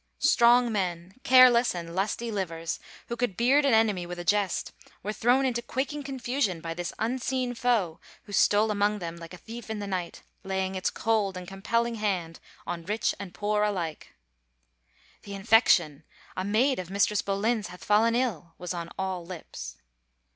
Strong men, care less and lusty livers, who could beard an enemy with a jest, were thrown into quaking confusion by this unseen foe who stole among them like a thief in the night, laying its cold and compelling hand on rich and poor alike. " The infection — a maid of Mistress Boleyn's hath fallen ill," was on all lips.